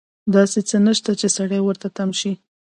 داسې څه نشته چې سړی ورته تم شي.